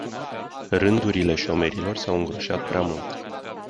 Rândurile șomerilor s-au îngroșat prea mult.